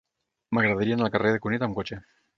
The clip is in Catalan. M'agradaria anar al carrer de Cunit amb cotxe.